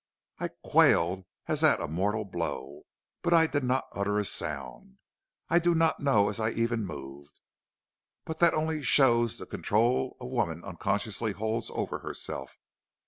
"I quailed as at a mortal blow, but I did not utter a sound. I do not know as I even moved; but that only shows the control a woman unconsciously holds over herself.